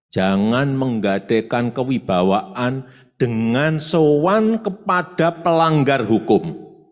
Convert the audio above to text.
jangan menggadekan kewibawaan dengan soan kepada pelanggar hukum